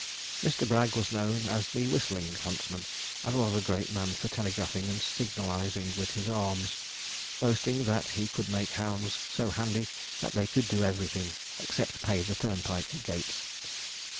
Mr. Bragg was known as the whistling huntsman, and was a great man for telegraphing and signalizing with his arms, boasting that he could make hounds so handy that they could do everything, except pay the turnpike gates.